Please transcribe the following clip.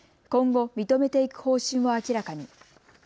今後認めていく方針を明らかに。